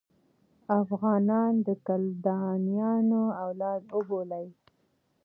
افغانان د کلدانیانو اولاد وبولي.